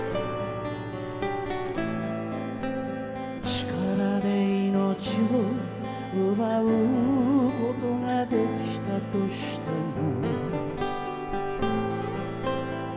「力で生命を奪う事が出来たとしても」